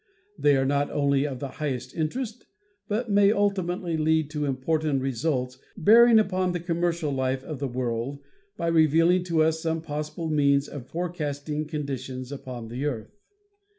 They are not only of the highest interest, but may ultimately lead to important results bearing upon the commercial life of the world by revealing to us some possible means of forecast INTRODUCTION xi ing conditions upon the Earth.